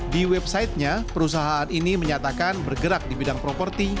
di websitenya perusahaan ini menyatakan bergerak di bidang properti